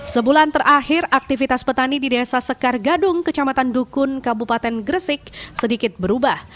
sebulan terakhir aktivitas petani di desa sekar gadung kecamatan dukun kabupaten gresik sedikit berubah